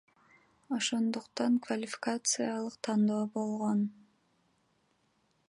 Ошондуктан квалификациялык тандоо болгон.